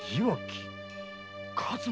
一馬。